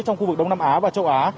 trong khu vực đông nam á và châu á